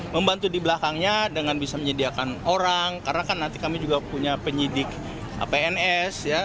membantu di belakangnya dengan bisa menyediakan orang karena kan nanti kami juga punya penyidik pns